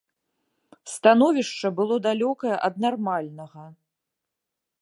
Становішча было далёкае ад нармальнага.